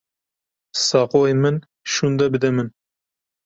Saqoyê min şûnde bide min.